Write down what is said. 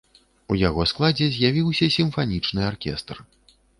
У яго складзе з'явіўся сімфанічны аркестр.